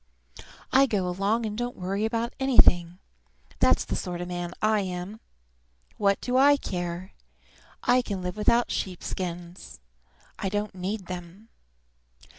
I go along and don't worry about anything. That's the sort of man I am! What do I care? I can live without sheep skins. I don't need them.